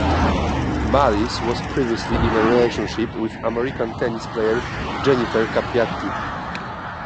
Malisse was previously in a relationship with American tennis player Jennifer Capriati.